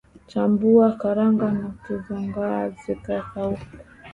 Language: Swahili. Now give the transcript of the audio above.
Chambua karanga na kuzikaanga ili zikauke